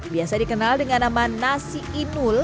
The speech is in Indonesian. biasa dikenal dengan nama nasi inul